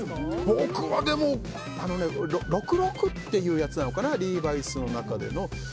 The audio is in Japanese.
僕は６６というやつなのかなリーバイスの中での。